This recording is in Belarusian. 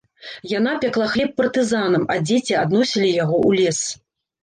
Яна пякла хлеб партызанам, а дзеці адносілі яго ў лес.